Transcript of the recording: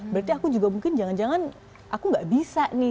berarti aku juga mungkin jangan jangan aku nggak bisa nih